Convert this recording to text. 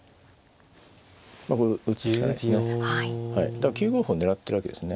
だから９五歩を狙ってるわけですね。